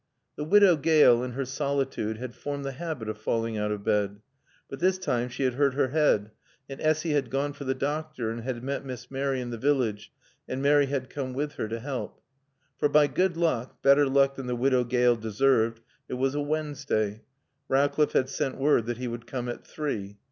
The Widow Gale, in her solitude, had formed the habit of falling out of bed. But this time she had hurt her head, and Essy had gone for the doctor and had met Miss Mary in the village and Mary had come with her to help. For by good luck better luck than the Widow Gale deserved it was a Wednesday. Rowcliffe had sent word that he would come at three.